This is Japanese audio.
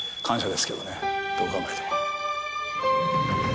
どう考えても。